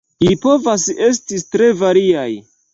Ili povas estis tre variaj.